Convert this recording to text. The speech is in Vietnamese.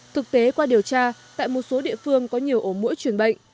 thực tế qua điều tra tại một số địa phương có nhiều ổ mũi truyền bệnh